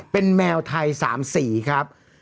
เป็นแมวไทย๓สีครับ